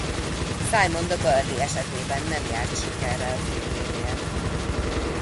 Simon de Burley esetében nem járt sikerrel férjénél.